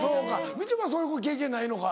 みちょぱそういう経験ないのか？